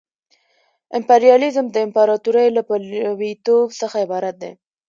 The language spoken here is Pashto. امپریالیزم د امپراطورۍ له پلویتوب څخه عبارت دی